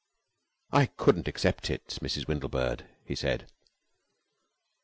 "I couldn't accept it, Mrs. Windlebird," he said.